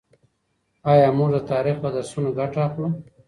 آيا موږ د تاريخ له درسونو ګټه اخلو؟